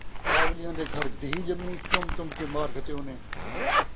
پاولیاں دے گھر دھی ڄمی، چم چم کے مار گھتیونیں